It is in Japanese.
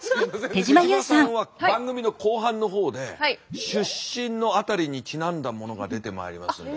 手島さんは番組の後半の方で出身の辺りにちなんだものが出てまいりますので。